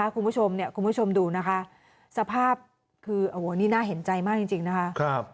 คุณผู้ชมดูนะคะสภาพคือนี่น่าเห็นใจมากจริงนะคะ